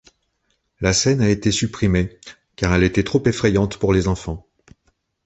La scène a été supprimé car elle était trop effrayante pour les enfants.